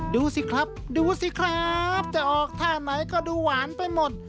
ดูสิครับดูสิครับจะออกท่าไหนก็ดูหวานไปหมด